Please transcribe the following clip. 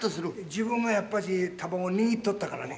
自分がやっぱし球を握っとったからね。